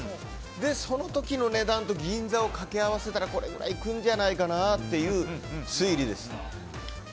その時の値段と銀座を掛け合わせたらこれくらいいくんじゃないかなっていう推理です。